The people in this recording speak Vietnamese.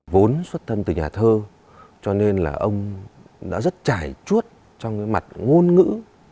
vốn xuất thân từ nhà thơ cho nên là ông đã rất trải chuốt trong cái mặt ngôn ngữ